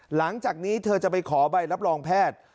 หลังจากนี้เธอจะไปขอใบรับรองแพทย์